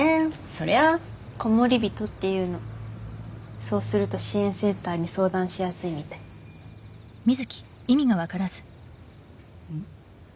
そりゃコモリビトっていうのそうすると支援センターに相談しやすいみたいん？